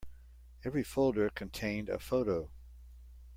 Every folder contained a photo.